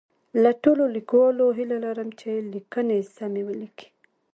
له ټولو لیکوالو هیله لرم چي لیکنې سمی ولیکي